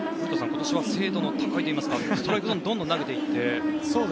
今年は精度が高いといいますかストライクゾーンにどんどん投げていって。